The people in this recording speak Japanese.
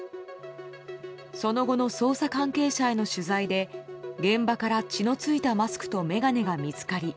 その後の捜査関係者への取材で現場から血の付いたマスクと眼鏡が見つかり